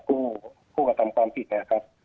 ผู้กระทำความผิดนะครับ